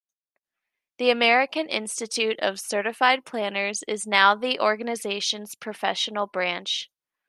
The American Institute of Certified Planners is now the organization's professional branch.